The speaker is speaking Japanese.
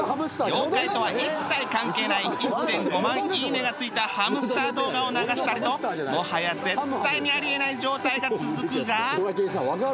妖怪とは一切関係ない １．５ 万いいねがついたハムスター動画を流したりともはや絶対にあり得ない状態が続くが